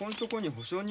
保証人？